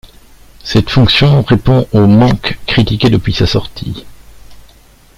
Cette fonction répond au manque critiqué depuis sa sortie.